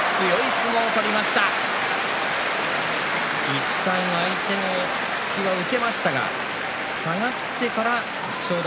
いったん相手の突きは受けましたけども下がってから正代。